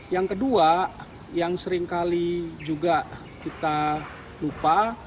yang kedua yang seringkali juga kita lupa